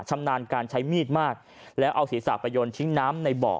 ชำนาญการใช้มีดมากแล้วเอาศีรษะไปยนทิ้งน้ำในเบาะ